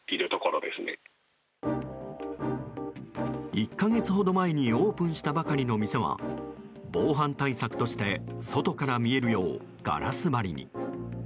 １か月ほど前にオープンしたばかりの店は防犯対策として外から見えるようガラス張りに。